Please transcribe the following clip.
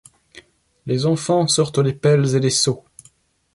les enfants sortent les pèles et les sceaux